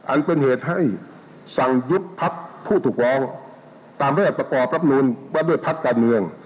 อันเป็นเหตุให้สั่งยุบพักผู้ถูกร้องตามแรกประกอบรับนูลว่าด้วยพักการเมือง